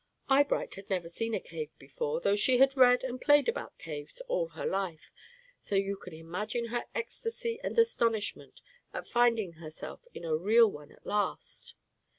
Eyebright had never seen a cave before, though she had read and played about caves all her life, so you can imagine her ecstasy and astonishment at finding herself in a real one at last.